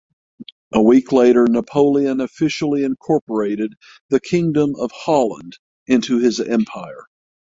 A week later Napoleon officially incorporated the Kingdom of Holland into his empire.